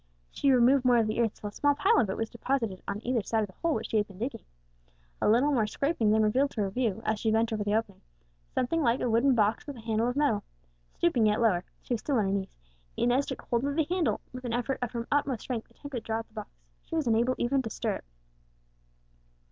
She removed more of the earth, till a small pile of it was deposited on either side of the hole which she had been digging. A little more scraping then revealed to her view, as she bent over the opening, something like a wooden box with a handle of metal. Stooping yet lower, she was still on her knees, Inez took hold of the handle, and with an effort of her utmost strength attempted to draw out the box; but she was unable even to stir it.